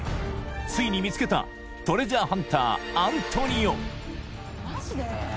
ついに見つけたトレジャーハンターアントニオ